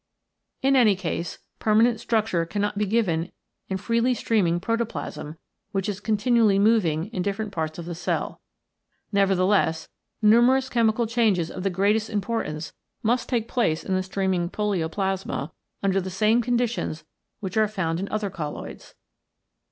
In any case, permanent structure cannot be given in freely streaming protoplasm which is continually moving in different parts of the cell. Nevertheless, numerous chemical changes of the greatest importance must take place in the streaming polioplasma under the same conditions which are found in other colloids.